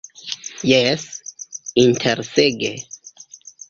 Jes, interesege.